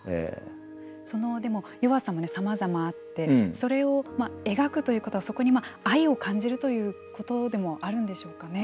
その弱さもさまざまあってそれを描くということはそこに愛を感じるということでもあるんでしょうかね。